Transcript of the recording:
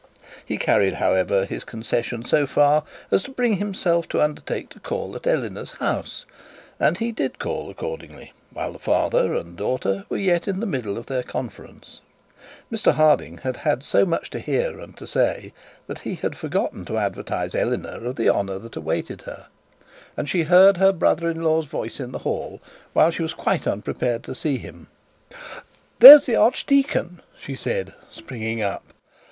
He carried, however, his concession so far as to bring himself to undertake to call at Eleanor's house, and he did call accordingly, while the father and the daughter were yet in the middle of their conference. Mr Harding had had so much to hear and to say that he had forgotten to advertise Eleanor of the honour that awaited her, and she heard her brother in law's voice in the hall, while she quite unprepared to see him. 'There's the archdeacon,' she said, springing up.